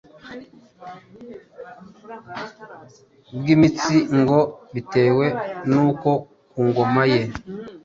bwimitsi ngo bitewe n’uko ku ngoma ye